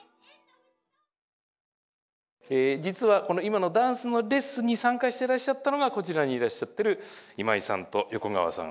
実はこの今のダンスのレッスンに参加してらっしゃったのがこちらにいらっしゃってる今井さんと横川さん